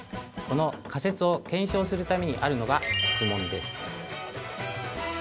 この仮説を検証するためにあるのが「質問」です。